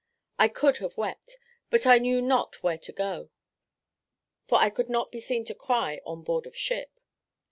I could have wept, but I knew not where to go; for I could not be seen to cry on board of ship.